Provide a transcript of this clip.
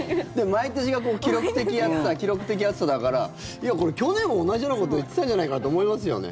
毎年が、こう記録的暑さ、記録的暑さだからこれ、去年も同じようなこと言ってたじゃないかって思いますよね。